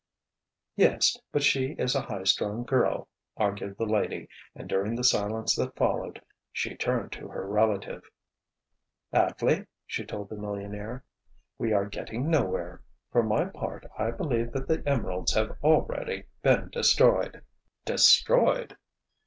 "Yes, but she is a high strung girl," argued the lady; and during the silence that followed, she turned to her relative. "Atley," she told the millionaire, "we are getting nowhere. For my part I believe that the emeralds have already been destroyed!" "Destroyed!"